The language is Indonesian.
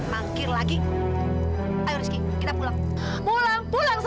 tapi orang yang aku berikan tidak jelas